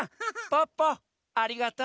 ポッポありがとう。